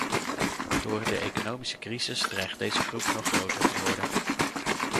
Door de economische crisis dreigt deze groep nog groter te worden.